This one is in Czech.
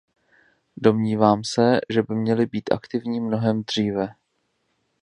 Domnívám se, že by měli být aktivní mnohem dříve.